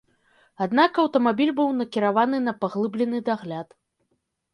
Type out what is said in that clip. Аднак аўтамабіль быў накіраваны на паглыблены дагляд.